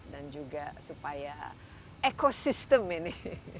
dan juga supaya ekosistem ini